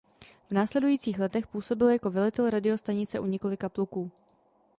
V následujících letech působil jako velitel radiostanice u několika pluků.